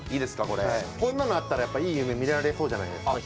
こんなのあったらやっぱりいい夢見られそうじゃないですか。